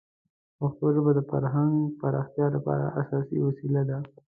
پښتو ژبه د فرهنګ پراختیا لپاره اساسي وسیله ده.